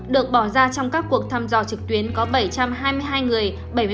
được bỏ ra trong các cuộc thăm dò trực tuyến có bảy trăm hai mươi hai người bảy mươi một